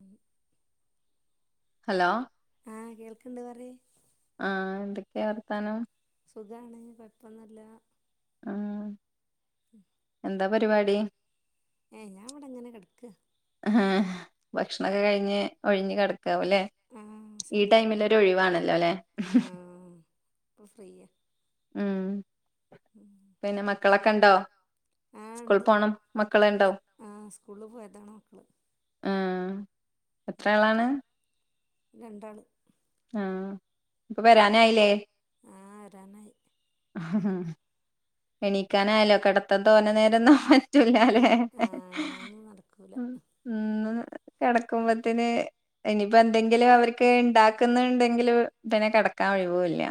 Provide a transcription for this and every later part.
ഉം ഹലോ ആഹ് കേൾക്കിണ്ട് പറി ആഹ് എന്തൊക്കെ വർത്താനം സുഖാണ് കൊയപ്പോന്നൂല്യ ആഹ് ഉം എന്താ പരിപാടി ഏഹ് ഞാൻ ഇവിടെ ഇങ്ങനെ കെട്ക്കാ ആഹ് ഭക്ഷണൊക്കെ കഴിഞ്ഞ് ഒഴിഞ്ഞ് കെടക്കാവുല്ലേ ആഹ് ഈ ഭക്ഷണം ടൈമില് കഴിഞ്ഞ് ഒരു ഒഴിവാണല്ലോ അല്ലെ ഇപ്പൊഫ്രീ ഉം പിന്നെ മക്കളൊക്കെ ഇണ്ടോ ആഹ് ഇണ്ട് ആഹ് സ്കൂളിൽ പോയതാണ് മക്കള് ആഹ് എത്ര എത്രളാണ് ആളാണ് രണ്ടാള് ആഹ് ഇപ്പൊ വരാനായില്ലേ ആഹ് വാരാനായി എണീക്കാനായാലോ കെടത്തം തോന്നെ നേരംഒന്നും പറ്റൂല്ലല്ലേ ആഹ് ഒന്നും നടക്കൂല ഇന്ന്കിടക്കുമ്പത്തിന് ഇനിപ്പോ എന്തെങ്കിലും അവർക്ക് ഉണ്ടാക്കുന്നുണ്ടെങ്കില് പിന്നെ കിടക്കാൻ ഒഴിവുല്ല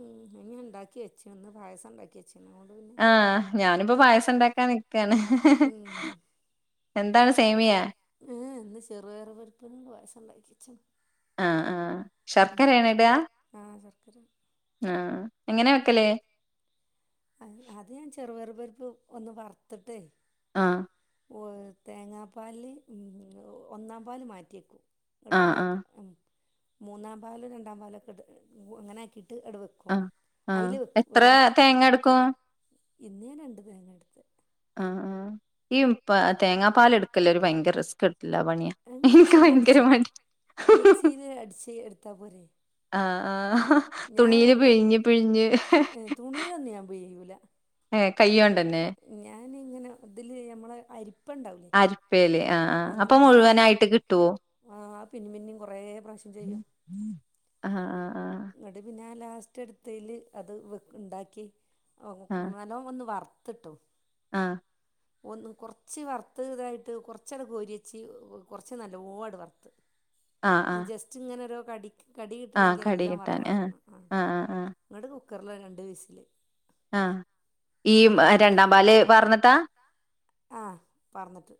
ഉം അത് ഇണ്ടാക്കി വെച്ചു ഇന്ന് പായസംഇണ്ടാക്കി [unintelligible] ആഹ് ഞാനിപ്പോ പായസം ഇണ്ടാക്കാന് നിക്കാണ് ഉം എന്താണ് സേമിയാ എഹേ ഇന്ന് ചെറുപയർ പരിപ്പോണ്ട് പായസംഇണ്ടാക്കേച്ച് ആഹ് ആഹ് ശർക്കരേണൊ ഇടാ ആഹ് ആഹ് എങ്ങനെ വെക്കല് അ അത് ഞാൻ ചെറുപയർപരിപ്പ് ഒന്ന് വർത്തിട്ട് ആഹ് തേങ്ങാപാലില് ഒന്നാം പാൽ മാറ്റി വെക്കും ആഹ് മറ്റ് ആഹ് മൂന്നാം പാലും രണ്ടാം പാലൊക്കെ ഇട്ട് അങ്ങനെ ആക്കിയിട്ട് അട് വയ്ക്കും ആഹ് ക്കും ആഹ് അയില് എത്ര വേവിച്ചു തേങ്ങ എടുക്കും ഇന്ന് ഞാൻരണ്ട് തേങ്ങ എടുത്ത് ആഹ് ആഹ്ഈ തേങ്ങാ പാല് എടുക്കല് ഒരു ഭയങ്കര റിസ്കില്ലെ പണിയാ എനിക്ക് മിക്സിയിൽ ഭയങ്കര അടിച്ച മടി മിക്സിയിൽ അടിച്ച് എടുത്ത പോരെ ആഹ് ആഹ് തുണിയില് പിഴിഞ്ഞ് പിഴിഞ്ഞ് ഏയ് തുണയിലൊന്നും ഞാൻ പിയ്യൂല ഏ കയ്യൊ ഞാനിങ്ങനെ ഇതില് മ്മളെ അരിപ്പ ഉണ്ടാവുലെ അരിപ്പേല് ആഹ് ആ ഹ്അപ്പൊ മുഴുവനായിട്ട് കിട്ടോ ആഹ് പിന്ന പിന്നെയും കൊറേ പ്രവശ്യം ആഹ് ആഹ് ആഹ് ഇങ്ങ്ട്ട് പിന്നെ ആ ലാസ്റ്റ് എടുത്തേല് അത് വ് ഇണ്ടാക്കി ഓ ആഹ് ആഹ് നല്ലോണം ഒന്ന് വർത്തിട്ടു ആഹ് ഒന്ന് കൊറച്ച് വറ്ത്ത് ഇതായിട്ട് കൊറച്ച് കോരിയച്ച് കൊറച്ച് നല്ലോം വറ്ത്ത് [inaudible] ജസ്റ്റ് ഇങ്ങനെ ഒരു കടി കടി ആ കിട്ടണങ്കിൽ കടി എല്ലാം കിട്ടാൻ ആ വറവാകണം ആഹ് ആ ആ ആ ന്നട്ട് കുക്കറില് രണ്ട് വിസില് ആ ഈ അങ്ങനെ രണ്ടാം പാല് പാർന്നട്ട് ആഹ് പാറ്ന്ന്ട്ട്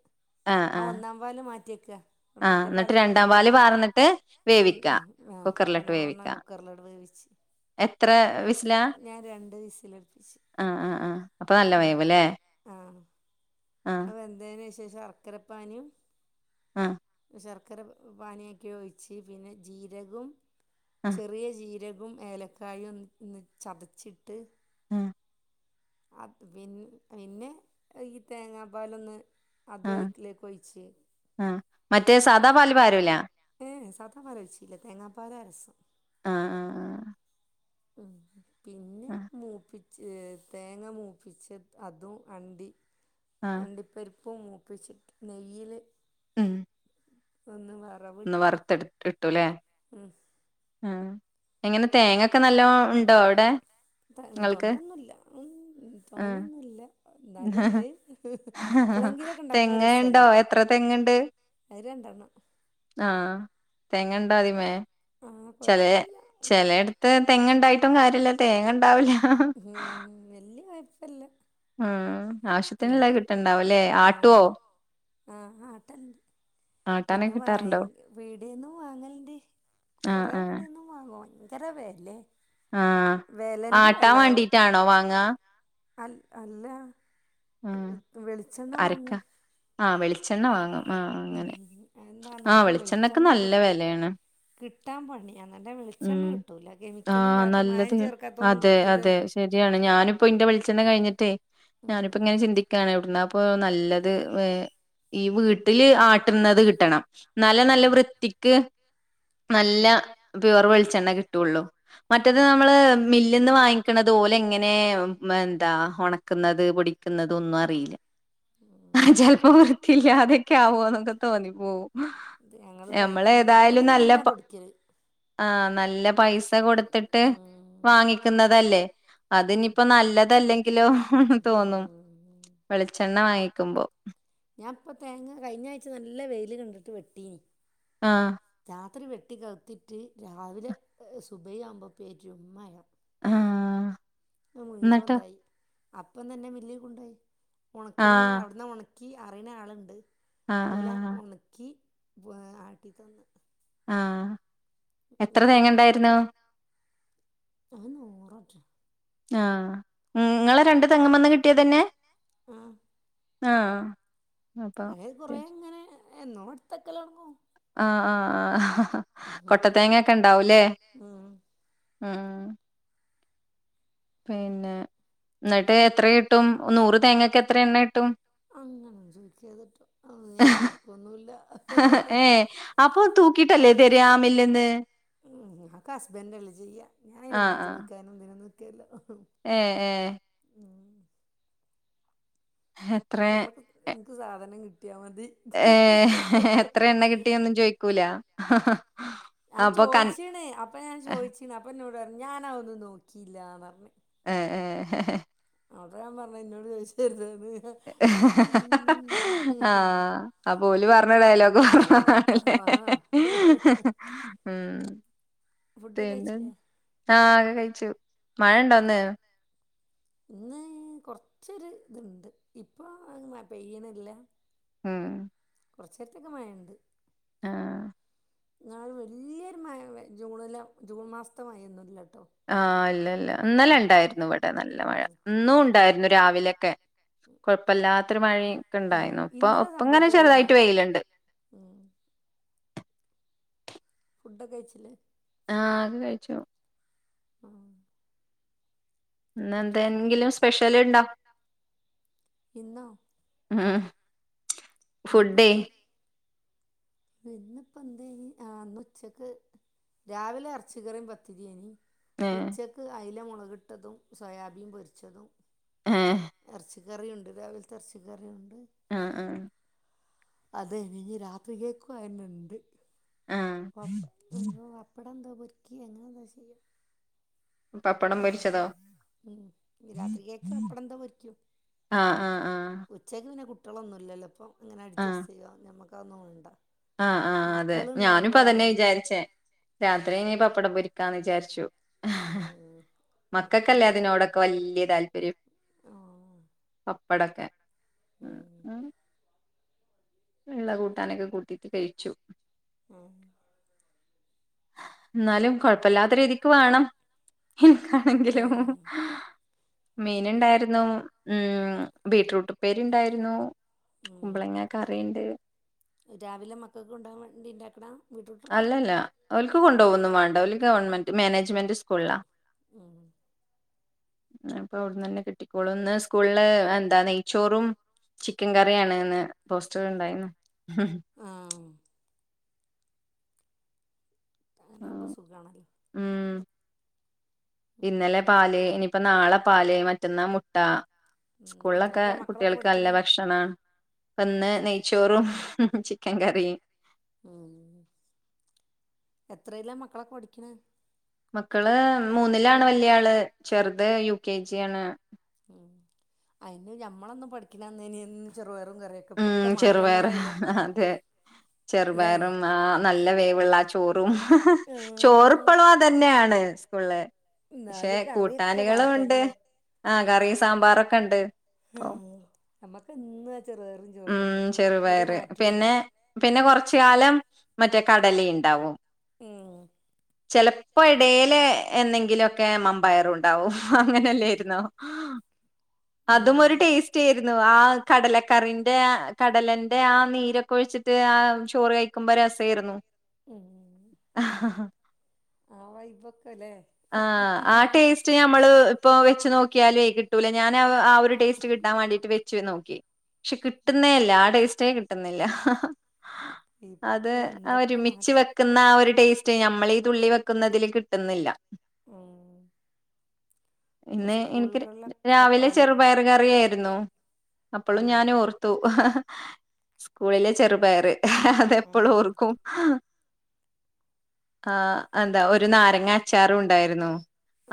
ആ ഒന്നാം പാല് മാറ്റിവെക്ക ഇങ്ങ്ട്ട് ആ മറ്റേ എന്നിട്ട് പാല് രണ്ടാം എടുത്തിട്ട് പാല് രണ്ടാംപാല് പാർന്നിട്ട് പാറന്ന്ട്ട് വേവിക്കാ ആഹ് കുക്കറിലിട്ട് നല്ലോണം വേവിക്കാ കുക്കറില് ഇട്ട് വേവിച്ച എത്ര വിസിലാ വിസിലടുപ്പിച്ച് ആഹ് ആഹ് ആഹ് അപ്പൊ നല്ല ഇങ്ങോട്ട് വേവ് ല്ലേ ആ അത് വെന്തേയിന് ശേഷം ശർക്കരപ്പാനിയും ആ ശർക്കര പാനിയാക്കിഒഴിച്ച് പിന്നെ ജീരകം ആ ചെറിയ ജീരകവും ഏലക്കായും ഒന്ന്ചതച്ചിട്ട് ഉം അ പി പിന്നെ ഈ തേങ്ങാപ്പാലൊന്ന് ആ അതും അതിലേക്ക് ഒഴിച്ച് ആ മറ്റേ സാദാ പാല് പാരൂല ഏ സാദാപ്പാൽ ഒഴിച്ചില്ല തേങ്ങാപ്പാല രസം ആ ആ ആ ഉം പിന്നെ ആ മൂപ്പി ച തേങ്ങ മൂപ്പിച്ച അതും അണ്ടി ആ. അണ്ടിപ്പരിപ്പും മൂപ്പിച്ചിട്ട് നെയ്യിൽ ഉം ഒന്ന് വറ ഒന്ന് വറുത്തെടു ഇട്ടല്ലേ ഉം ഉം എങ്ങനെ തേങ്ങൊക്കെ നല്ലോ ഉണ്ടോ അവിടെ നിങ്ങൾക്ക് തോനൊന്നുല്ല ഉം ആ തോനൊന്നുല്ല എന്നാലുംല്ലേ എപ്പളെങ്കിലൊക്കെ ഇണ്ടാക്കുമ്പോ തെങ്ങ് ഉണ്ടോ രസല്ലേ എത്ര തെങ്ങ്ണ്ട് അത് രണ്ടെണ്ണം ആഹ് തേങ്ങ ഉണ്ടോ അതിമേ ആഹ് ചില കൊഴപ്പല്ല ഉം ചിലടു തെങ്ങ് ഉണ്ടായിട്ടും കാര്യമില്ല തേങ്ങ ഉണ്ടാവില്ല ഉം വല്യ കുഴപ്പല്ല ഉം ആവശ്യത്തിന്ള്ള കിട്ടണ്ടാവും അല്ലേ ആട്ടുവോ ആഹ് ആഹ് ആട്ടല്ണ്ട് ആട്ടാനൊക്കെ പിന്നെ വാങ്ങ കിട്ടാറുണ്ടോ പീടെയെന്നു വാങ്ങലുണ്ട് ആഹ് കൊറെേ ആഹ് വീടന്നും വാങ്ങ ഭയങ്കര വേലേ ആഹ് വേലെന്റെ ആട്ടാൻ വേല വേണ്ടീട്ടാണോ വാങ്ങാ അ അല്ല ആഹ് വെളിച്ചെണ്ണ വാങ്ങ അരക്ക ആഹ് വെളിച്ചെണ്ണ വാങ്ങും ആഹ് ഉം അങ്ങനെ എന്നന്താ ആഹ് നല്ല വെളിച്ചെണ്ണക്ക് വെളിച്ചെണ്ണ നല്ല കിട്ട വെലേണ് കിട്ടാൻ പണി നല്ല വെളിച്ചെണ്ണ ഉം കിട്ടൂല കെമിക്കല ആഹ് ഇല്ലാത്ത നല്ലത് മായം ചേർക്കാത്ത ഒന്നും അതെ അതെ കിട്ടൂലല്ലോ ശരിയാണ് ഞാനിപ്പോ ഇന്റെ വെളിച്ചെണ്ണ കിഴിഞ്ഞിട്ടേ ഇപ്പൊ ഇങ്ങനെ ചിന്തിക്കാണ് എവിടുന്നപ്പൊ നല്ലത് ഈ വീട്ടില് ആട്ടുന്നത് കിട്ടണം എന്നാലേ നല്ല വൃത്തിക്ക് നല്ല പ്യുവർ വെളിച്ചെണ്ണ കിട്ടുള്ളൂ മറ്റത് നമ്മള് പീടികന്ന് വാങ്ങിക്കണത് ഓൽ എങ്ങനെ എന്താ ഉണക്കുന്നത് പൊടിക്കുന്നത് ക്കതൊന്നും അറിയില്ല ഉം ചിലപ്പോ വൃത്തിയില്ലാതൊക്കെ ആവോ എന്നൊക്കെ തോന്നിപ്പോവും ഇത് ഞങ്ങള് നമ്മള് പരിചയം ഞാ പിന്നെ ഏതായാലും നല്ല മില്ലിന്ന പ പൊടിക്കൽ ആഹ് നല്ല പൈസ കൊടുത്തിട്ട് വാങ്ങിക്കുന്നതല്ലേ അതിനിപ്പോ നല്ലതല്ലെ ആഹ് വെളിച്ചെണ്ണ വാങ്ങിക്കുമ്പോ ഞാൻ ഇപ്പ തേങ്ങ കഴിഞ്ഞ ആഴ്ച നല്ല വെയില് കണ്ടിട്ട് വെട്ടീനി ആഹ് രാത്രി വെട്ടിക്കവുത്തിട്ട് രാവിലെ സുബഹി ആവുമ്പോൾ പേറ്റും മഴ ആഹ് മുഴവന് എന്നിട്ടോ എന്തായി അപ്പ തന്നെ മില്ലിൽ കൊണ്ടോയി ഉണക്കണ ആഹ് അവിടുന്ന് ഉണക്കി അറിയണ ആളുണ്ട് ആഹ് പോലെ ആഹ് ഉണക്കി ഇ ആട്ടി തന്ന് ആഹ് എത്ര അത്ത് തേങ്ങ ഉണ്ടായിരുന്നു നൂററ്റെ ആഹ് ഉം ങ്ങളെ രണ്ട് തെങ്ങുമന്ന് കിട്ടിയതന്നെ ആഹ് ആഹ് അപ്പൊ അത കൊറെേങ്ങനെ എന്നോ എടുത്തക്കലോടങ്ങും ആഹ് ആഹ് കൊട്ടത്തേങ്ങൊക്കെ ഉണ്ടാവൂല്ലേ ഉം ഉം പിന്നെ എന്നി കിട്ടും നൂറ് തേങ്ങക്ക്‌ എത്ര എണ്ണ കിട്ടും അങ്ങന ഒന്നും ചോയ്ക്കരുത് ട്ടോ ഓഹ് ഞാൻ തൂക്കൊന്നുല്ല അപ്പൊ ഏഹ് അപ്പൊ തൂക്കിട്ടല്ലേ തരാ തര മില്ല്ന്ന് മില്ലിന്നു മ്മ്ഹ്. അക്ക് ഹസ്ബൻറല്ലേ ചെയ്യാ ആഹ് ഞാനയിനന്നും ആഹ് ചോയ്ക്കാനും തിനൊന്നും നിക്കല്ല.. ഏഹ് ഏഹ് ഉം ഹേ നമ്മക്ക് ഇൻക്ക് സാധനം കിട്ടിയാ മതി.. ഏഹ്. എത്ര എണ്ണേ കിട്ടിയന്നും ചോയ്ക്കൂല.. ആയി. അപ്പൊ കൻ ചോയിച്ചീണ്. അപ്പൊ ഞാ ചോയ്ച്ചിണ്. അപ്പന്നോട് പറഞ്ഞ് ഞാനാ ഒന്നും നോക്കിയില്ലാന്നർഞ്ഞ്. ഏഹ് ഏഹ് അത ഞാപറഞ്ഞത് ന്നോട് ചോയിച്ച ര്ത് ന്ന്.. [unintelligible] ആഹ്. അപ്പൊ. ഓല് പറഞ്ഞ ഡയലോഗ് പറഞ്ഞണല്ലേ.. ആഹ് ഉം ഫുഡൊക്കെ പിന്നെ കഴിച്ചില്ലേ ആ കെ. കഴിച്ചു മഴ ഇണ്ടോ ഒന്ന്. ഇന്ന് കൊറച്ചൊരു ഇത്ണ്ട് ഇപ്പൊ പെയ്യ്ണ്ല്ല.. ഉം കൊറച്ചരത്തെക് മഴണ്ട്.. ആഹ് ന്നാൾ. വല്ല്യരു മയവെ. ജൂണില ജൂൺ മാസത്തെ മയൊന്നുംല്ലട്ടോ.. ആഹ. ഇല്ല ഇല്ല ഇന്നലെണ്ടായിര്ന്നു. ഇവിടെ നല്ല മഴ ഇന്നുണ്ടായിരുന്നു രാവിലൊക്കെ.. കൊഴപ്പല്ലാത്തൊരു മഴ ക്കെ ഉം ണ്ടായിന്നു. ഇപ്പൊ ഇന്നലെ ഇപ്പങ്ങനെ സംഭവത്ത് നല്ല ചെറുതായിട്ട് മഴെയ്ത്. വെയിലുണ്ട്.. ഉം ഫുഡ് ഒക്കെ കെയിച്ചില്ലെ. ആ അഒക്കെ കഴിച്ചു.. ഉം ഇന്ന് കുട്ട്യളെ കു എന്തെങ്കിലും സ്പെഷ്യല്ണ്ടോ.. ഇന്നോ ആഹ് ഇന്ന് [unintelligible] ഇന്നിപ്പോ എന്തേന്. ആ, ന്ന്‌. ഉച്ചക്ക് രാവിലെ എറച്ചി കറിം. പത്തിരിഎനി.. ഏഹ് ഉച്ചക്ക് അയില മൊളകിട്ടതും സോയാബീൻ. പൊരിച്ചതും.. ഏ എറച്ചിക്കറിയുണ്ട്. രാവിൽത്തെ എറച്ചിക്കറിയുണ്ട്... ആ, ആ. അതെനെ. ഇഞ്ഞി. രാത്രി കേക്കും അയെന്നെ ണ്ട്. ആഹ് വപ്പ. ന്തോ. വപ്പടെന്തോ പൊരിക്കെ. അങ്ങനെഎന്തോ. ചെയ്യ.. പപ്പടം ഉം പൊരിച്ചതോ രാത്രി കേക്ക് വപ്പടെന്തോ പൊരിക്യും. ആ, ആ, ആ.. ച്ചക്ക് പിന്നെ കുട്ടിളൊന്നു. ഇല്ലല്ലോ പ്പം ങ്ങനെ അഡ്ജസ്റ്റ് ചെയ്യുവ. ഞ മക്കഅന്നും വണ്ട.. ആ ആ ആ. അതെ ഞാനും. പ്പതന്നെ വിചാരിച്ചേ. രാത്രി ഇനി. പപ്പടം പൊരിക്കാന്ന് വിചാരിച്ചു. മ്മ്ഹ്. മക്കൾക്ക്. വല്ല്യ താല്പര്യം. പപ്പടൊക്കെ.. മ്മ് ള്ളകൂട്ടാനൊക്കെ. കൂട്ടീട്ട്. കെഴിച്ചു.. ഉം ന്നാലും കൊഴപ്പല്ലാത്ത രീതിക്ക് വേണം ഇൻക്കാണെങ്കിലും.. ആഹ് മീൻ ണ്ടായിരുന്നു. മ്മ്ഹ്. ബീട്ട്റൂട്ടും.. പ്പേരി ണ്ടായിരുന്നു. ഉം കുമ്പളങ്ങ കറിയ് ണ്ട്.. രാവിലെ. മക്കക്ക് കൊണ്ട് വാൻ. വേണ്ടിണ്ടാക്ണാ.. അല്ലല്ല. ഓൽക്. കൊണ്ടൊവൊന്നും. മാണ്ട. ഓൽ. ഗവൺമെന്റ് മാനേജ്മെന്റ് സ്കൂള ആ.. മ്മ്ഹ്. അപ്പൊ അവട്ന്ന്ന്നെ. കിട്ടിക്കോളൂ ന്ന് സ്കൂള് എന്താ നെയ്ച്ചോറും.. ചിക്കൻ കറിയാണ്ന്ന്. പോസ്റ്റർ ഉണ്ടായിന്ന്.. ഉം അങ്ങനാവുമ്പോ സുഖാണല്ലോ ഉം ഉം ഇന്നലെ പാല് ഇനിയിപ്പോ നാളെ പാല് മറ്റന്നാ മുട്ട ഉം സ്കൂള് ഒക്കെ എത്രയിലാ മക്കളൊക്കെ കുട്ടികൾക്ക് നല്ല പഠിക്കണേ ഭക്ഷണാ ഇപ്പ ഇന്ന് നെയ്ച്ചോറും ചിക്കൻ കറിയും ഉം എത്രയിലാ മക്കളൊക്കെ പഠിക്കണ മക്കള് മൂന്നിലാണ് വല്യാള് ചെറുത് യു കെ ജിയാണ് ഉം അയിന് ഞമ്മളൊന്നു പഠിക്കിണന്നേന് എന്നും ചെറുപയറും കറിയും ഉം ഇപ്പൊക്കെ ചെറുപയർ മാറ്റങ്ങളായിലെ അതെ ചെറുപയറും ആഹ് നല്ല വേവുള്ള ആഹ് ചോറും ചോറുപ്പളും അതന്നെയാണ് സ്കൂള് പക്ഷെ എന്നാലും കറിയൊക്കെ കൂട്ടാനുകളുമുണ്ട് മാറ്റങ്ങളായി ആഹ് കറിയും സാമ്പാറൊക്കെണ്ട് ഉം നമ്മക്ക് എന്നും ആഹ് ചെറുപയറും ചോറും ഉം തന്നെ ഒരു ചെറുപയറ് മാറ്റുല്ല പിന്നെ പിന്നെ കൊറച്ചു കാലം മറ്റേ കടലയുണ്ടാവും ഉം ചിലപ്പോ ഇടയില് എന്നെ ങ്കിലുമൊക്കെ മമ്പയറു ണ്ടാവും അങ്ങനെയല്ലായിരുന്നോ ഉം അതുമൊരു ടേസ് റ്റായിരുന്നു ആഹ് കടലക്കറിൻ ആഹ് കടലന്റെ ആഹ് നീരൊക്കെ ഒഴിച്ചിട്ട് ആഹ് ചോറ് കഴിക്കുമ്പോ രസായിരുന്നു ആഹ് ഹാ ആഹ് വൈബൊക്കെ അല്ലേ ആഹ് ആഹ് ടേസ് ഞമ്മള് ഇപ്പോ വെച്ച് നോക്കിയാലും കിട്ടൂല ഞാൻ ആഹ് ഒരു ടേസ്റ്റ് കിട്ടാൻ വേണ്ടിട്ട് വെച്ച് നോക്കി പക്ഷെ കിട്ടുന്നേയില്ല ആഹ് ടേസ്റ്റേ കിട്ടുന്നില്ല അത് ഇപ്പൊ എന്തൊക്കെ ഒരുമിച്ച് മാറ്റം വെക്കുന്ന ആഹ് ഒരു ടേസ്റ്റ് ഞമ്മളീ തുള്ളി വെക്കുന്നതില് കിട്ടുന്നില്ല ഉം ഇപ്പൊ ഇന്ന് എനിക്ക് സ്കൂളുകളിലൊക്കെ രാവിലെ പല ചെറുപയർ കറിയായിരുന്നു അപ്പോളും ഉം ഞാൻ ഓർത്തു സ്കൂളിലെ ചെറുപയറ് അതെപ്പോളും ഉം ഓർക്കും ആഹ് അതാ ഒരു നാരങ്ങ അച്ചാറും ഉണ്ടായിരുന്നു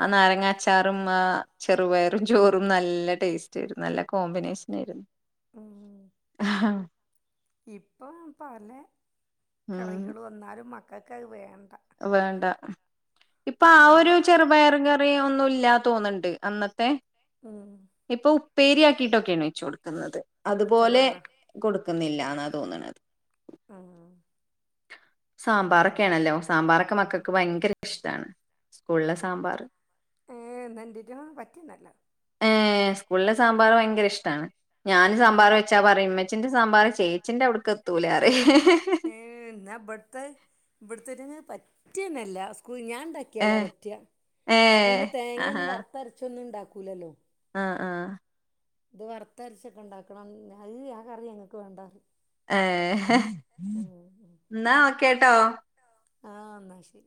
ആഹ് ഉം നാരങ്ങാച്ച ച്ചാറും ആഹ് ചെറുപയറും ചോറും നല്ല ടേസ്റ്റായിരുന്നു നല്ല കോമ്പിനേഷനായിരുന്നു ആഹാ ഇപ്പം പല ഉം കറികൾ വന്നാലും മക്കൾക്കത് വേണ്ട വേണ്ട ഇപ്പൊ ആഹ് ഒരു ചെറുപയർ കറിയൊന്നും ഇല്ല തോന്നുന്നുണ്ട് അന്നത്തെ ഉം ഇപ്പൊ ഉപ്പേരിയാക്കിട്ടൊക്കെയാണ് വെച്ചു കൊടുക്കുന്നത് അതുപോലെ ചെറുപയറോ കൊടുക്കുന്നില്ലാന്നാ തോന്നണത് ആഹ് സാമ്പാറൊക്കെയാണല്ലോ സാമ്പാറൊക്കെ മക്കൾക്ക് ഭയങ്കര ഇഷ്ടാണ് സ്കൂളിലെ സാമ്പാർ ഏഹ് എന്നെന്റെക്കും പറ്റുന്നില്ല ഏഹ് സ്കൂളിലെ സാമ്പാർ ഭയങ്കര ഇഷ്ടമാണ് ഞാൻ സാമ്പാർ ഉമ്മച്ചിയോട് വെച്ചാ പറയും ഉമ്മച്ചിന്റെ സാമ്പാറ് ചേച്ചിന്റെ അവിടെക്ക് എത്തൂല പറയും ഏഹ് എന്നാ ഇബുടത്തെ ഇവിടുത്തേരങ്ങ് പറ്റുന്നേല്ല സ്കൂ ഞാൻ ഉണ്ടാ ക്കേല ഏഹ് പറ്റാ ഏഹ് സ്കൂളിൽ ആഹാ തേങ്ങയൊന്നും വറുത്തരച്ചൊന്നും ഉണ്ടാക്കൂലല്ലോ ആഹ് ആഹ് ഇത് വറുത്തരച്ചൊക്കെ ഉണ്ടാക്കണം അത് ആഹ് കറി ഞങ്ങക്ക് വേണ്ടാ ഏഹ് ഉം ഉം എന്നാ ഓക്കേട്ടോ ആഹ് എന്നാശരി